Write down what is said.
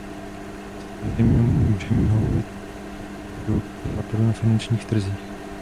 Samozřejmě, můžeme hovořit o praktikách divokého západu na finančních trzích.